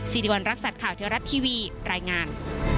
สีดีวันรักษาข่าวเที่ยวรัฐทีวีรายงาน